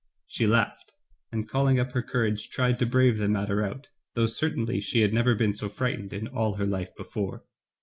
She laughed, and calling up her courage tried to brave the matter out, though certainly she had never been so frightened in all her life before.